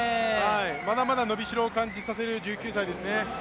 まだまだ伸びしろを感じさせる１９歳ですね。